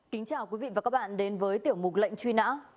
kính chào quý vị và các bạn đến với tiểu mục lệnh truy nã